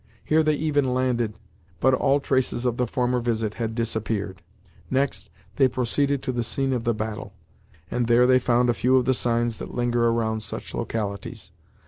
Here they even landed, but all traces of the former visit had disappeared. Next they proceeded to the scene of the battle, and there they found a few of the signs that linger around such localities.